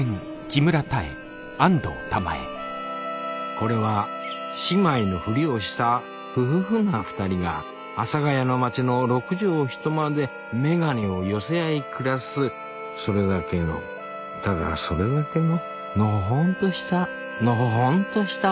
これは姉妹のフリをしたふふふな２人が阿佐ヶ谷の町の６畳一間で眼鏡を寄せ合い暮らすそれだけのただそれだけののほほんとしたのほほんとしたお話です